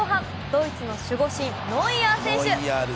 ドイツの守護神、ノイアー選手！